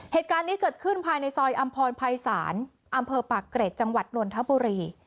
เหตุการณ์นี้เกิดขึ้นภายในซอยอำพรภัยศาลอำเภอปากเกร็ดจังหวัดนนทบุรี